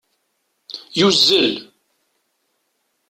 Yuzzel.